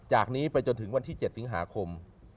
จากนี้ไปจนถึงวันที่๗สิงหาคม